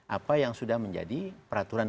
apa yang sudah menjadi peraturan